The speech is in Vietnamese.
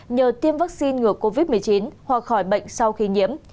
nhờ tiêm vaccine ngừa covid một mươi chín hoặc khỏi bệnh sau khi nhiễm